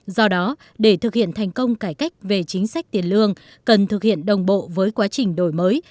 do đó để thực hiện thành công cải cách về chính sách tiền lương cần thực hiện đồng bộ với quá trình đổi mới